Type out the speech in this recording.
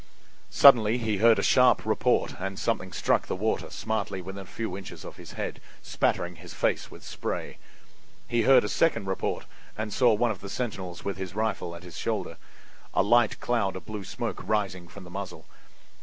Suddenly he heard a sharp report and something struck the water smartly within a few inches of his head, spattering his face with spray. He heard a second report, and saw one of the sentinels with his rifle at his shoulder, a light cloud of blue smoke rising from the muzzle.